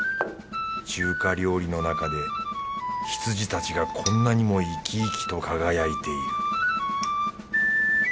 中華料理のなかで羊たちがこんなにも生き生きと輝いている